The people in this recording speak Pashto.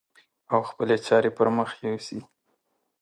او خپلې چارې پر مخ يوسي.